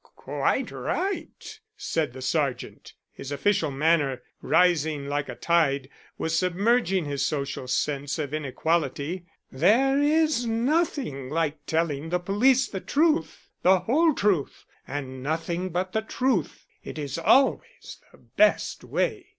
"Quite right," said the sergeant. His official manner, rising like a tide, was submerging his social sense of inequality. "There is nothing like telling the police the truth, the whole truth, and nothing but the truth. It is always the best way."